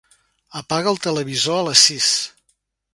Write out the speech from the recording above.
Apaga el televisor a les sis.